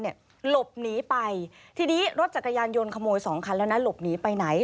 หลบหนีไปทีนี้รถจักรยานยนต์ขโมยสองคันแล้วนะหลบหนีไปไหน